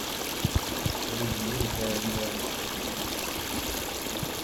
It is the military emblem of the Sikhs.